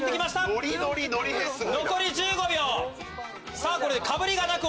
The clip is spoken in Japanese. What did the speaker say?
さぁこれかぶりがなく